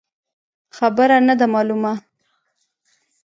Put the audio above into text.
خبره نه ده مالونه.